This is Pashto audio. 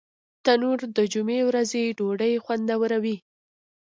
تنور د جمعې د ورځې ډوډۍ خوندوروي